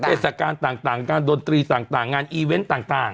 เทศกาลต่างการดนตรีต่างงานอีเวนต์ต่าง